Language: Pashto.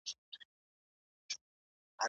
تفرقه ټولنه له منځه وړي.